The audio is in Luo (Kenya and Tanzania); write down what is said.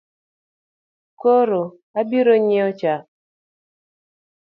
Koro abirong’iewo chak?